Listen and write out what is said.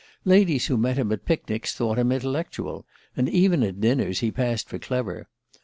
Ladies who met him at picnics thought him intellectual; and even at dinners he passed for clever.